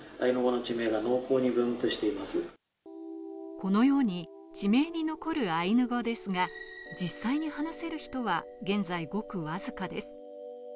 このように地名に残るアイヌ語ですが、実際に話せる人は現在ごくわずかです。